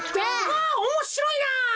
わおもしろいな。